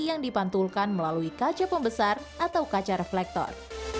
yang dipantulkan melalui kaca pembesar atau kaca reflektor